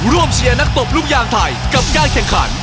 ร่วมเชียร์นักตบรุ่งยางไทยกับการแข่งขัน